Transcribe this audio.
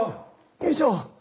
よいしょ。